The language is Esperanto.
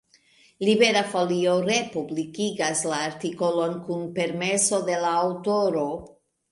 Libera Folio republikigas la artikolon kun permeso de la aŭtoro.